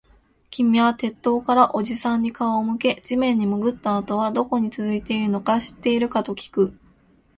君は鉄塔からおじさんに顔を向け、地面に潜ったあとはどこに続いているのか知っているかときく